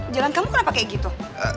jalan kamu kenapa kayak gitu